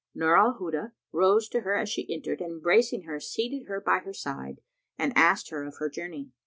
Nur al Huda rose to her as she entered and embracing her, seated her by her side and asked her of her journey.